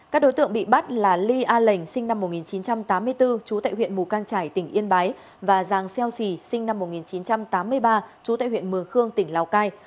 các đối tượng bị bắt là ly a lệnh sinh năm một nghìn chín trăm tám mươi bốn trú tại huyện mù cang trải tỉnh yên bái và giàng xeo xì sinh năm một nghìn chín trăm tám mươi ba trú tại huyện mường khương tỉnh lào cai